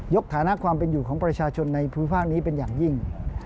ฐานะความเป็นอยู่ของประชาชนในภูมิภาคนี้เป็นอย่างยิ่ง